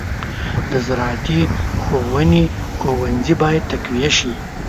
د زراعتي ښوونې ښوونځي باید تقویه شي.